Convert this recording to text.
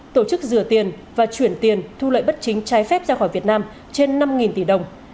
tổ chức rửa tiền và chuyển tiền thu lợi bất chính trái phép ra khỏi việt nam trên năm tỷ đồng